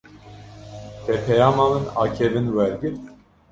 Te peyama min a kevin wergirt?